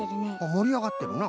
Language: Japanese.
もりあがってるな。